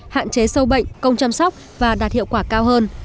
hạn chế sâu bệnh công chăm sóc và đạt hiệu quả cao hơn